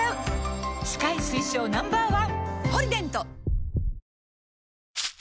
歯科医推奨 Ｎｏ．１！